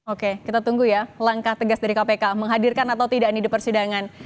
oke kita tunggu ya langkah tegas dari kpk menghadirkan atau tidak di persidangan